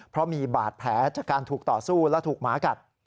เพราะมีบาดแผลจากการถูกต่อสู้และถูกหมากัด